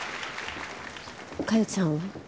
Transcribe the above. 加代ちゃんは？